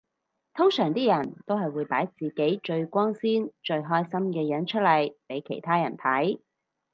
通常啲人都係會擺自己最光鮮最開心嘅樣出嚟俾其他人睇